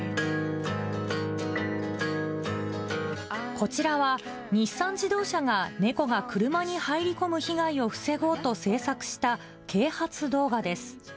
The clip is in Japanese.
こちらは、日産自動車が、猫が車に入り込む被害を防ごうと制作した啓発動画です。